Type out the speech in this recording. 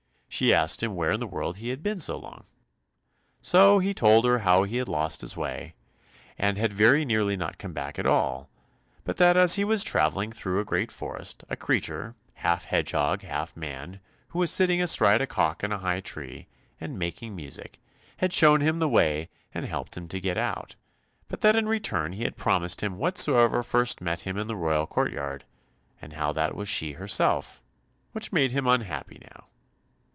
She asked him where in the world he had been so long. So he told her how he had lost his way, and had very nearly not come back at all, but that as he was travelling through a great forest, a creature, half hedgehog, half man, who was sitting astride a cock in a high tree, and making music, had shown him the way and helped him to get out, but that in return he had promised him whatsoever first met him in the royal court yard, and how that was she herself, which made him unhappy now.